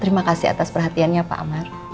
terima kasih atas perhatiannya pak ahmad